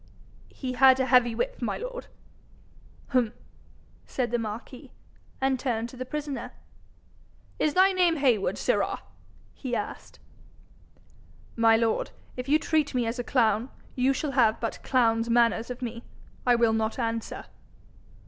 'He had a heavy whip, my lord.' 'H'm!' said the marquis, and turned to the prisoner. 'Is thy name Heywood, sirrah?' he asked. 'My lord, if you treat me as a clown, you shall have but clown's manners of me; I will not answer.'